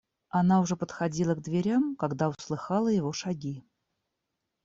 Она уже подходила к дверям, когда услыхала его шаги.